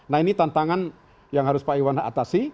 nah ini tantangan yang harus pak iwan atasi